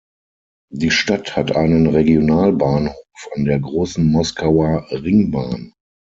Die Stadt hat einen Regionalbahnhof an der Großen Moskauer Ringbahn.